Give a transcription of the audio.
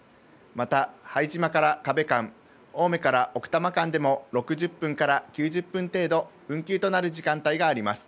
また拝島から河辺間、青梅から奥多摩間でも、６０分から９０分程度、運休となる時間帯があります。